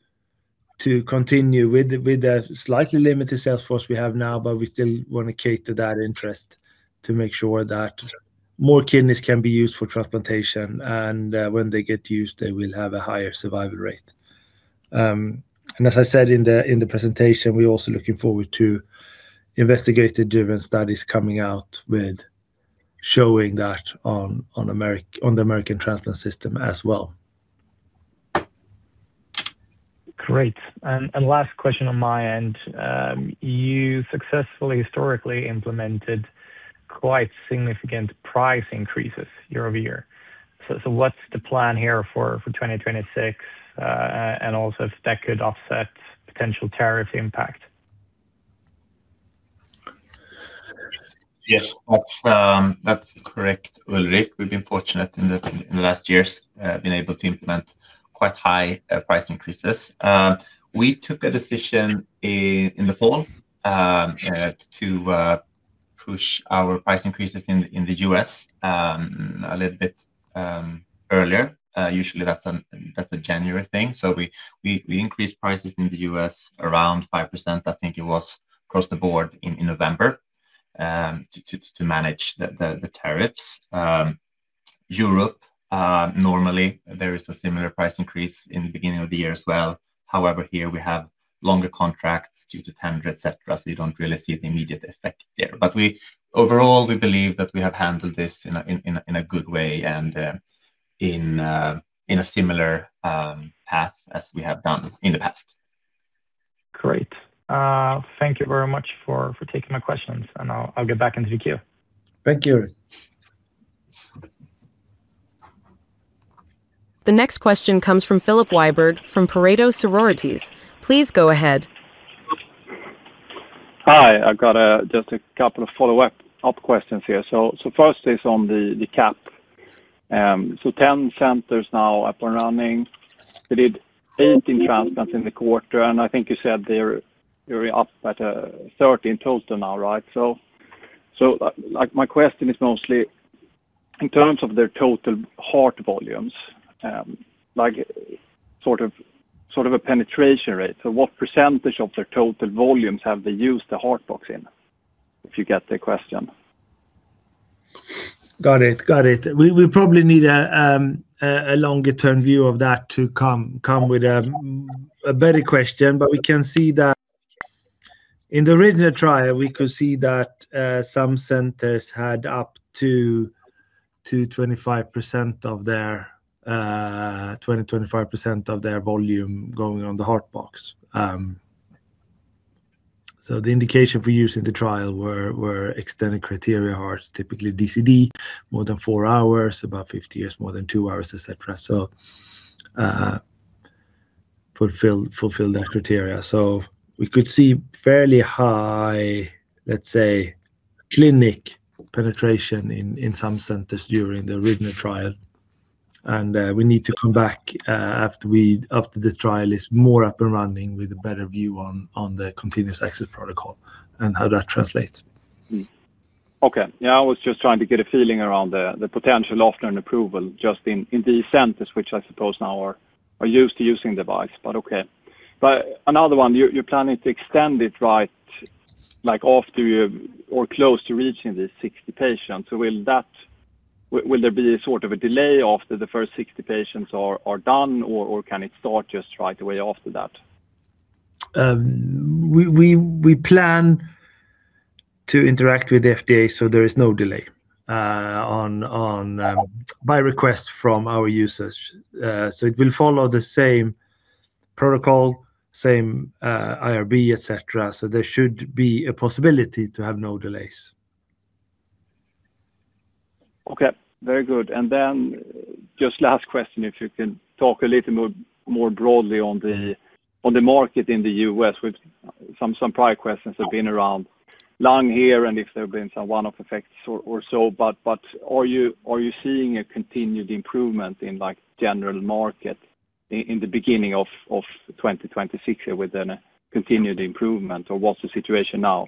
continue with the slightly limited sales force we have now, but we still want to cater that interest to make sure that more kidneys can be used for transplantation, and when they get used, they will have a higher survival rate. As I said in the, in the presentation, we're also looking forward to investigator-driven studies coming out with showing that on the American transplant system as well. Great. And last question on my end. You successfully historically implemented quite significant price increases year-over-year. So what's the plan here for 2026, and also if that could offset potential tariff impact? Yes, that's correct, Ulrik. We've been fortunate in the last years been able to implement quite high price increases. We took a decision in the fall to push our price increases in the U.S. a little bit earlier. Usually, that's a January thing. So we increased prices in the U.S. around 5%. I think it was across the board in November to manage the tariffs. Europe, normally, there is a similar price increase in the beginning of the year as well. However, here we have longer contracts due to tender, et cetera, so you don't really see the immediate effect there. But overall, we believe that we have handled this in a good way and in a similar path as we have done in the past. Great. Thank you very much for taking my questions, and I'll get back into the queue. Thank you. The next question comes from Filip Wiberg from Pareto Securities. Please go ahead. Hi, I've got just a couple of follow-up questions here. So first is on the CAP. So 10 centers now up and running. They did 18 transplants in the quarter, and I think you said they're up at 13 total now, right? So like, my question is mostly in terms of their total heart volumes, like sort of a penetration rate. So what percentage of their total volumes have they used the Heart Box in, if you get the question? Got it. Got it. We probably need a longer-term view of that to come with a better question. But we can see that in the original trial, we could see that some centers had up to 25% of their volume going on the Heart Box. So the indication for use in the trial were extended criteria hearts, typically DCD, more than four hours, above 50 years, more than two hours, et cetera. So fulfill that criteria. So we could see fairly high, let's say, clinical penetration in some centers during the original trial. And we need to come back after the trial is more up and running with a better view on the Continuous Access Protocol and how that translates. Okay. Yeah, I was just trying to get a feeling around the, the potential after an approval, just in, in these centers, which I suppose now are, are used to using device, but okay. But another one, you're, you're planning to extend it, right, like after you or close to reaching the 60 patients. So will that... Will, will there be a sort of a delay after the first 60 patients are, are done, or, or can it start just right away after that? We plan to interact with the FDA, so there is no delay on by request from our users. So it will follow the same protocol, same IRB, et cetera. So there should be a possibility to have no delays. Okay. Very good. And then just last question, if you can talk a little more broadly on the market in the U.S., with some prior questions have been around lung here and if there have been some one-off effects or so. But are you seeing a continued improvement in, like, general market in the beginning of 2026 with a continued improvement, or what's the situation now?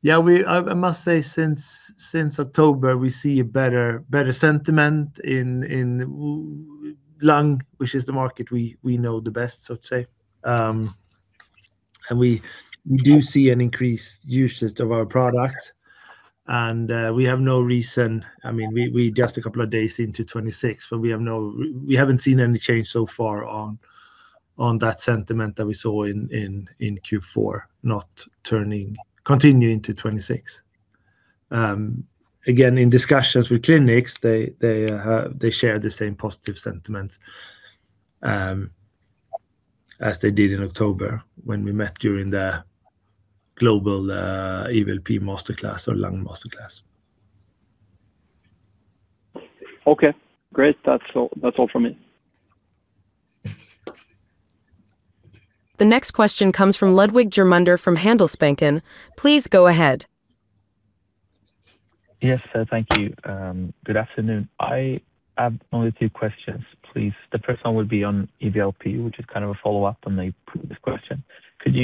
Yeah, I must say, since October, we see a better sentiment in lung, which is the market we know the best, so to say. And we do see an increased usage of our product, and we have no reason—I mean, we just a couple of days into 2026, but we haven't seen any change so far on that sentiment that we saw in Q4, not turning, continuing to 2026. Again, in discussions with clinics, they share the same positive sentiments as they did in October when we met during the global EVLP master class or lung master class. Okay, great. That's all, that's all from me. The next question comes from Ludwig Germunder from Handelsbanken. Please go ahead. Yes, thank you. Good afternoon. I have only two questions, please. The first one will be on EVLP, which is kind of a follow-up on the previous question. Could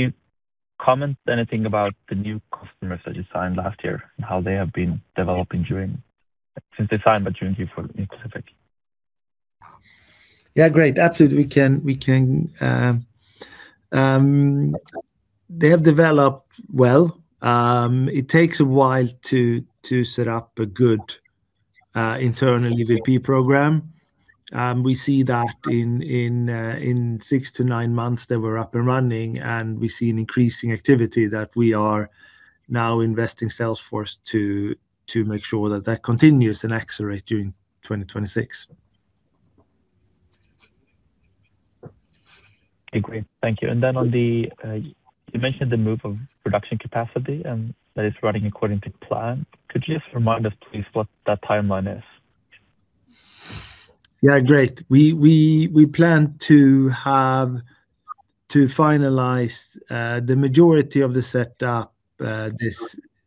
you comment anything about the new customers that you signed last year and how they have been developing during, since they signed, but during here for in specific? Yeah, great. Absolutely, we can, we can. They have developed well. It takes a while to set up a good internal EVLP program. We see that in six-nine months, they were up and running, and we see an increasing activity that we are now investing sales force to make sure that that continues and accelerates during 2026. Okay, great. Thank you. And then on the, you mentioned the move of production capacity, and that is running according to plan. Could you just remind us, please, what that timeline is? Yeah, great. We plan to finalize the majority of the setup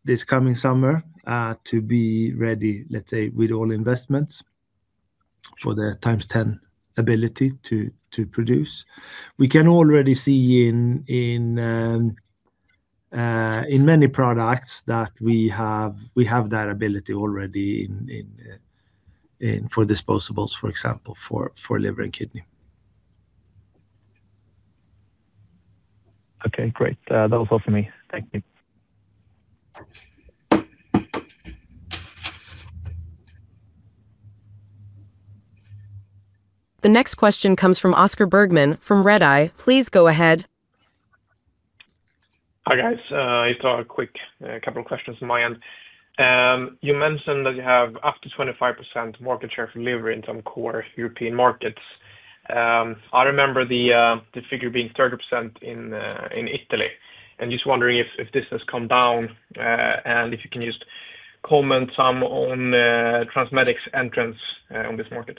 this coming summer to be ready, let's say, with all investments for the 10x ability to produce. We can already see in many products that we have, we have that ability already in for disposables, for example, for liver and kidney. Okay, great. That was all for me. Thank you. The next question comes from Oscar Bergman, from Redeye. Please go ahead. Hi, guys. Just a quick, a couple of questions on my end. You mentioned that you have up to 25% market share for liver in some core European markets. I remember the figure being 30% in Italy, and just wondering if this has come down, and if you can just comment some on TransMedics entrance on this market.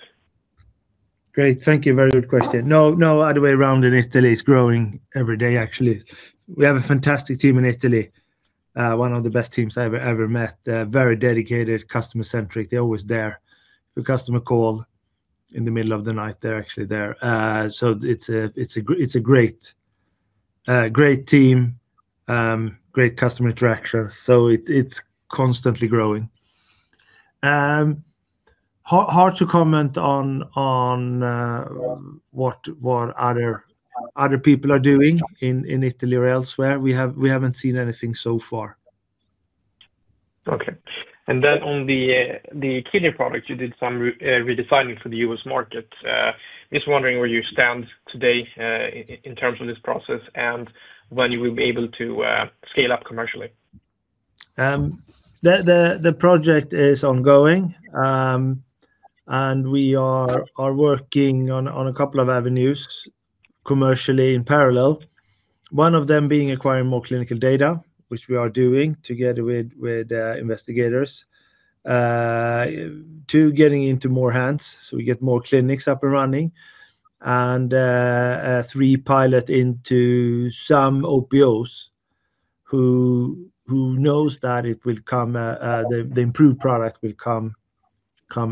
Great, thank you. Very good question. No, no, other way around, in Italy, it's growing every day, actually. We have a fantastic team in Italy, one of the best teams I've ever met. They're very dedicated, customer-centric. They're always there. If a customer call in the middle of the night, they're actually there. So it's a great team, great customer interaction, so it's constantly growing. Hard to comment on what other people are doing in Italy or elsewhere. We have, we haven't seen anything so far. Okay. And then on the kidney product, you did some redesigning for the U.S. market. Just wondering where you stand today, in terms of this process and when you will be able to scale up commercially. The project is ongoing. And we are working on a couple of avenues commercially in parallel. One of them being acquiring more clinical data, which we are doing together with investigators. Two, getting into more hands, so we get more clinics up and running. And three, pilot into some OPOs who knows that it will come, the improved product will come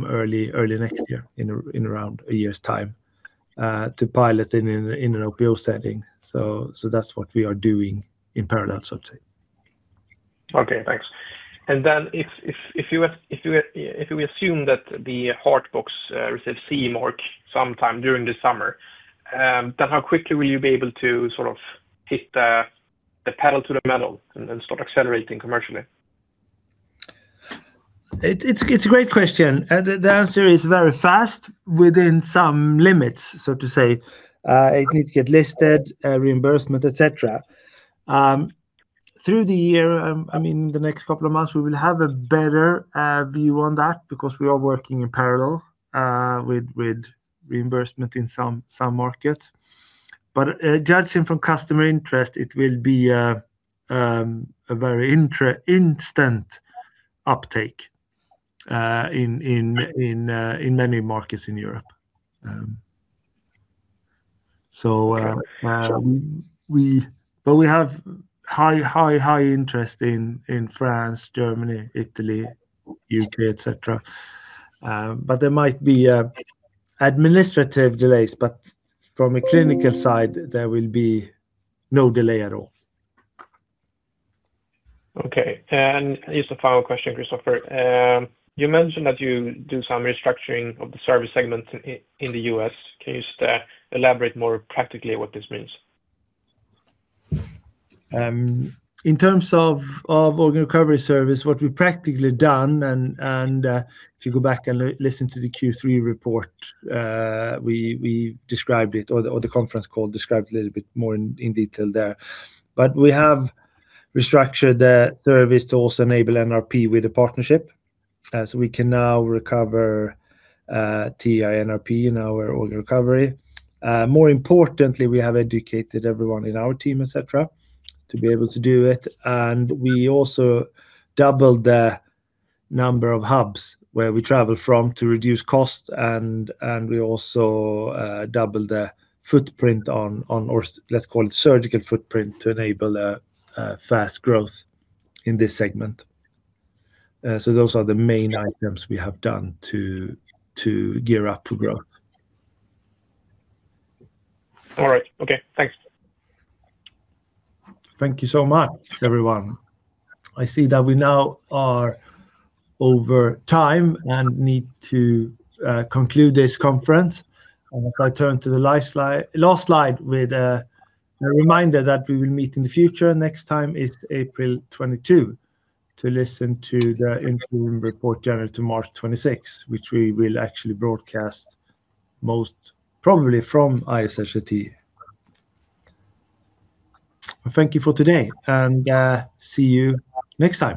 early next year, in around a year's time, to pilot in an OPO setting. So that's what we are doing in parallel, so to say. Okay, thanks. And then if we assume that the Heart Box receives CE mark sometime during the summer, then how quickly will you be able to sort of hit the pedal to the metal and then start accelerating commercially? It's a great question, and the answer is very fast, within some limits, so to say. It need to get listed, reimbursement, et cetera. Through the year, I mean, the next couple of months, we will have a better view on that because we are working in parallel with reimbursement in some markets. But, judging from customer interest, it will be a very instant uptake in many markets in Europe. So, Got it. But we have high, high, high interest in France, Germany, Italy, U.K., et cetera. But there might be administrative delays, but from a clinical side, there will be no delay at all. Okay, and just a final question, Christoffer. You mentioned that you do some restructuring of the service segment in the U.S. Can you just, elaborate more practically what this means? In terms of organ recovery service, what we've practically done and, if you go back and listen to the Q3 report, we described it, or the conference call described it a little bit more in detail there. But we have restructured the service to also enable NRP with a partnership, as we can now recover TA-NRP in our organ recovery. More importantly, we have educated everyone in our team, et cetera, to be able to do it, and we also doubled the number of hubs where we travel from to reduce cost, and we also doubled the footprint on, or let's call it surgical footprint, to enable a fast growth in this segment. So those are the main items we have done to gear up for growth. All right. Okay, thanks. Thank you so much, everyone. I see that we now are over time and need to conclude this conference. If I turn to the last slide, last slide, with a reminder that we will meet in the future. Next time is April 22, to listen to the interim report, January to March 2026, which we will actually broadcast most probably from ISHLT. Thank you for today, and see you next time.